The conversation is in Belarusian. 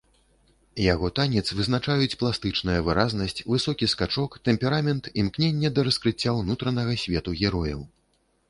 Яго танец вызначаюць пластычная выразнасць, высокі скачок, тэмперамент, імкненне да раскрыцця ўнутранага свету герояў.